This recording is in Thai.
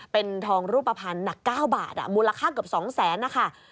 เป็นทองรูปภัณฑ์หนัก๙บาทมูลค่าเกือบ๒แสนนะคะ